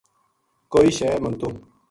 کوئی شے منگتو